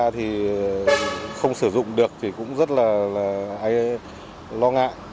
thì không sử dụng được thì cũng rất là lo ngại